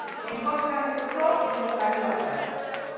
Encóntranse só en eucariotas.